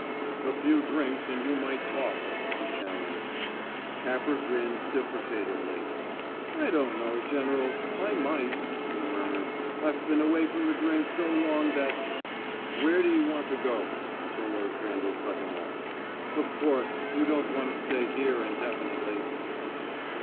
"A few drinks and you might talk," he challenged. Capper grinned deprecatively. "I don't know, General I might," he murmured. "I've been away from the drink so long that " "Where do you want to go?" General Crandall cut him off. "Of course, you don't want to stay here indefinitely."